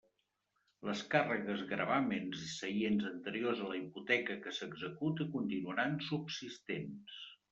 Les càrregues, gravàmens i seients anteriors a la hipoteca que s'execute continuaran subsistents.